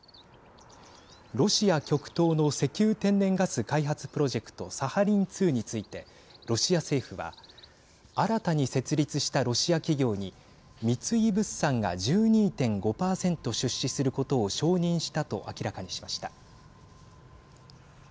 ロシア極東の石油・天然ガス開発プロジェクトサハリン２についてロシア政府は新たに設立したロシア企業に三井物産が１２．５％出資することを承認したと明らかにしました。